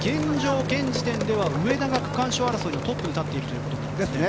現時点では上田が区間賞争いのトップに立っているということですね。